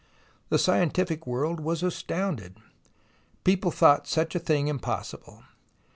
The scientific world was astounded. People thought such a thing impossible.